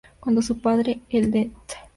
Cuando su padre, el Det.